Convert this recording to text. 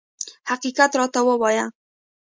حقیقت راته ووایه.